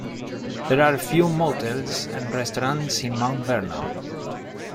There are a few motels and restaurants in Mount Vernon.